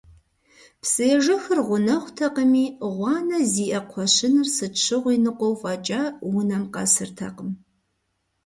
Псыежэхыр гъунэгъутэкъыми, гъуанэ зиӀэ кхъуэщыныр сыт щыгъуи ныкъуэу фӀэкӀа унэм къэсыртэкъым.